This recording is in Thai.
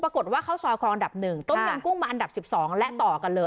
ปรากฏว่าข้าวซอยคออันดับหนึ่งต้มยำกุ้งมาอันดับสิบสองและต่อกันเลย